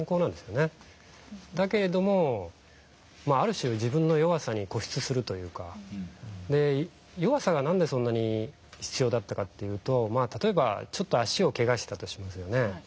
だけれどもある種弱さが何でそんなに必要だったかというと例えばちょっと足をけがしたとしますよね。